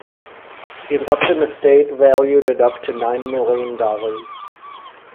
He left an Estate valued at up to nine million dollars.